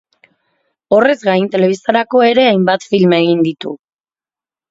Horrez gain, telebistarako ere hainbat film egin ditu.